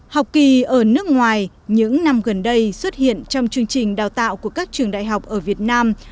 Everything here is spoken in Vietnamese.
học kỳ ở nước ngoài những năm gần đây xuất hiện trong chương trình đào tạo của các trường đại học ở việt nam